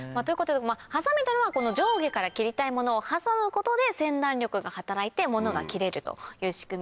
ハサミというのはこの上下から切りたいモノを挟むことでせん断力が働いてモノが切れるという仕組みで。